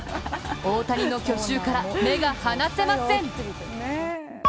大谷の去就から目が離せません。